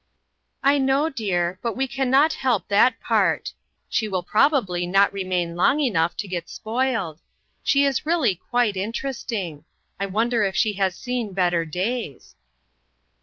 " I know, dear ; but we can not help that AN OPEN DOOR. part. She will probably not remain long enough to get spoiled. She is really quite interesting. I wonder if she has seen better days